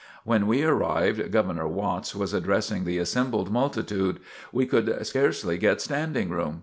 When we arrived, Governor Watts was addressing the assembled multitude. We could scarcely get standing room.